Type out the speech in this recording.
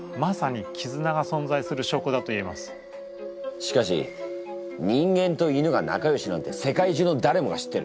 しかし人間と犬が仲よしなんて世界中のだれもが知ってる。